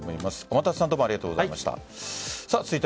天達さんどうもありがとうございました。